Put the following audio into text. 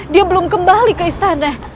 dia belum kembali ke istana